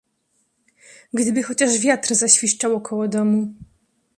"Gdyby chociaż wiatr zaświszczał około domu!"